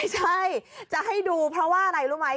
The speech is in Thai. ใช่จะให้ดูเพราะว่าอะไรรู้ไหม